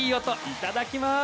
いただきます。